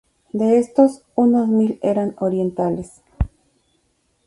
De estos unos mil eran orientales.